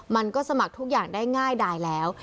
มันก็สมัครทุกอย่างได้ง่ายดายแล้ว